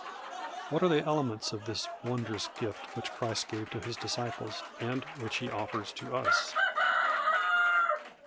What are the elements of this wondrous gift which Christ gave to His disciples, and which He offers to us?